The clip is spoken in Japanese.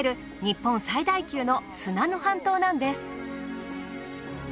日本最大級の砂の半島なんです。